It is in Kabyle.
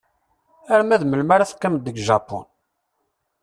Arma d melmi ara teqqimeḍ deg Japun?